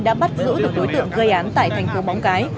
đã bắt giữ được đối tượng gây án tại thành phố móng cái